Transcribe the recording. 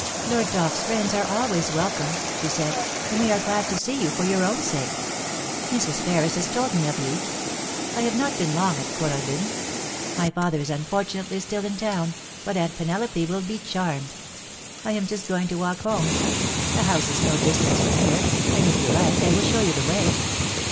* Lord Dolph's friends are always welcome,' she said, *and we are glad to see you for your own sake. Mrs. Ferris has told me of you. I have not been long at Kooralbyn. My father is unfortunately still in town, but Aunt Penelope will be charmed. I am just going to walk home. The house is no distance from here, and if you like I will show you the way.